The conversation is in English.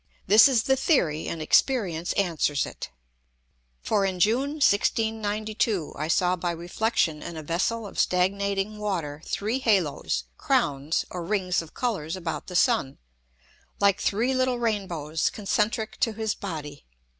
This is the Theory, and Experience answers it. For in June 1692, I saw by reflexion in a Vessel of stagnating Water three Halos, Crowns, or Rings of Colours about the Sun, like three little Rain bows, concentrick to his Body.